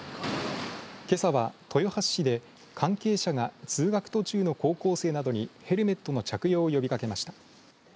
けさは、豊橋市で関係者が通学途中の高校生などにヘルメットの着用を呼びかけました。